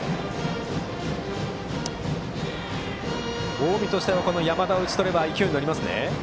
近江としては山田を打ち取れば勢いに乗れますね。